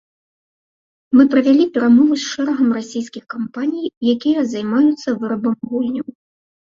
Мы правялі перамовы з шэрагам расійскіх кампаній, якія займаюцца вырабам гульняў.